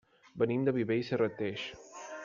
Venim de Viver i Serrateix.